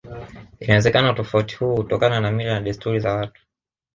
Inawezekana utofauti huu hutokana na mila na desturi za watu